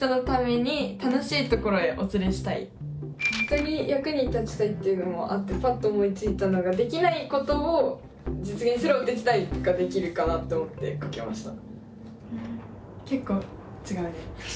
人の役に立ちたいというのもあってぱっと思いついたのができないことを実現するお手伝いができるかなと思って書きました。